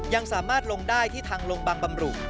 ยังสามารถลงได้ที่ทางลงบางบำรุ